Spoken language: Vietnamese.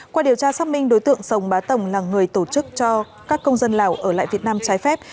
qua điều tra xác minh đối tượng sông bá tồng là người tổ chức cho các công dân lào ở lại việt nam trái phép